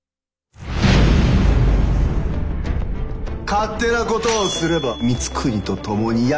勝手なことをすれば光圀と共に焼き清めてくれる。